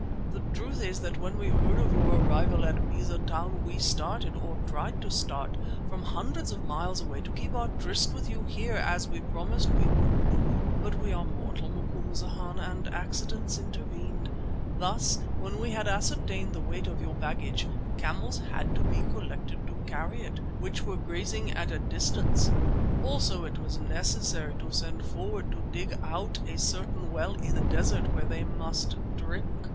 The truth is that when we heard of your arrival at Beza Town we started, or tried to start, from hundreds of miles away to keep our tryst with you here as we promised we would do. But we are mortal, Macumazana, and accidents intervened. Thus, when we had ascertained the weight of your baggage, camels had to be collected to carry it, which were grazing at a distance. Also it was necessary to send forward to dig out a certain well in the desert where they must drink.